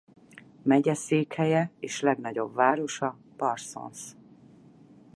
Megyeszékhelye és legnagyobb városa Parsons.